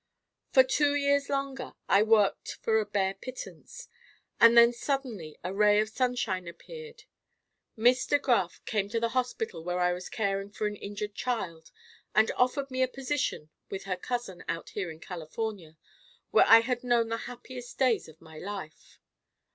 "For two years longer I worked for a bare pittance, and then suddenly a ray of sunshine appeared. Miss De Graf came to the hospital where I was caring for an injured child and offered me a position with her cousin out here in California, where I had known the happiest days of my life.